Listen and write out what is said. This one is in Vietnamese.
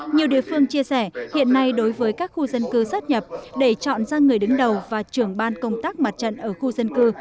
nhiều địa phương chia sẻ hiện nay đối với các khu dân cư sát nhập để chọn ra người đứng đầu và trưởng ban công tác mặt trận ở khu dân cư